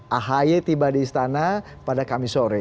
ahy tiba di istana pada kamis sore